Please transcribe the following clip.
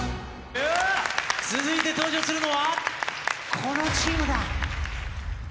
続いて登場するのは、このチームだ。